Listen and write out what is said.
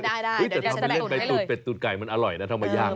เดี๋ยวจะทำเรื่องใดตูดเป็ดตูดไก่มันอร่อยนะทำมายาก